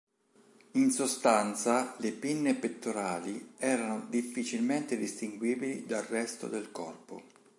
In sostanza, le pinne pettorali erano difficilmente distinguibili dal resto del corpo.